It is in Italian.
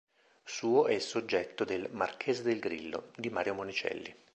Suo è il soggetto del "Marchese del Grillo" di Mario Monicelli.